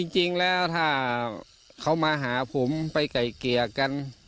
จริงแล้วถ้าเขามาหาผมไปไก่เกลี่ยกัน